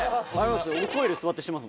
俺トイレ座ってしてます